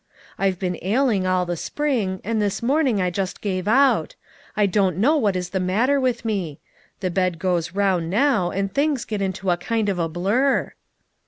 I've been ailing all the spring, and this morning I just give out. I don't know what is the matter with me. The bed goes round now, and things get into a kind of a blur."